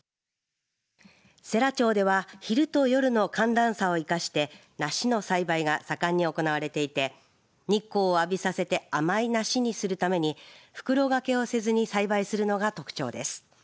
世羅町では昼と夜の寒暖差を生かして梨の栽培が盛んに行われていて日光を浴びさせて甘い梨にするために袋掛けをせずに栽培するのが特徴です。